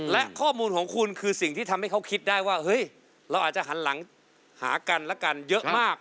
และข้อมูลของคุณคือสิ่งที่ทำให้เขาคิดได้ว่าเฮ้ยเราอาจจะหันหลังหากันและกันเยอะมาก